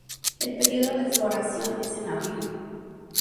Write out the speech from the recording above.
El periodo de floración es en abril.